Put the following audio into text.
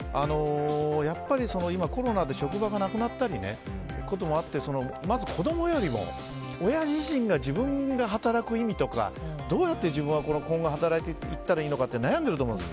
やっぱり今、コロナで職場がなくなったりということもあってまず子供よりも親自身が自分が働く意味とかどうやって自分は今後働いていったらいいのかって悩んでいると思うんです。